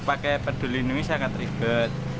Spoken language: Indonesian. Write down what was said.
pakai peduli lindungi sangat ribet